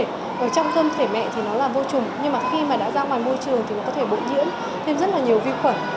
trong cơm sữa mẹ thì nó là vô trùng nhưng mà khi đã ra ngoài môi trường thì nó có thể bộ diễn thêm rất nhiều vi khuẩn